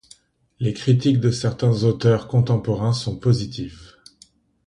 Les critiques de certains auteurs contemporains sont positives.